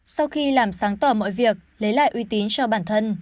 sau khi làm sáng tỏ mọi việc lấy lại uy tín cho bản thân